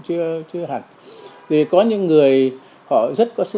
và sáu tháng đối với nữ